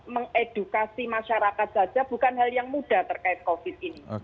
mengedukasi masyarakat saja bukan hal yang mudah terkait covid ini